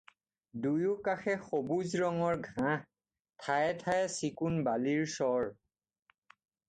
দুয়ো কাষে সবুজ ৰঙৰ ঘাঁহ, ঠায়ে ঠায়ে চিকুণ বালিৰ চৰ।